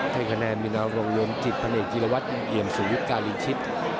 ให้คะแนนมินาลงรวมจิตพระเอกยิรวัติอิงเยี่ยมสวิทย์กาลีชิฯ